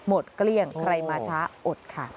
เกลี้ยงใครมาช้าอดค่ะ